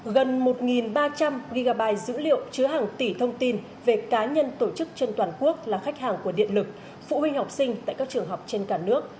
gần một ba trăm linh gb dữ liệu chứa hàng tỷ thông tin về cá nhân tổ chức trên toàn quốc là khách hàng của điện lực phụ huynh học sinh tại các trường học trên cả nước